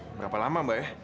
berapa lama mbak ya